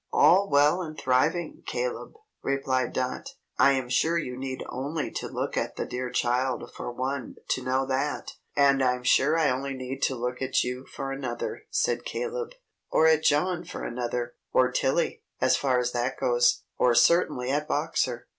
"All well and thriving, Caleb," replied Dot. "I am sure you need only look at the dear child, for one, to know that." "And I'm sure I only need look at you for another," said Caleb; "or at John for another; or Tilly, as far as that goes; or certainly at Boxer."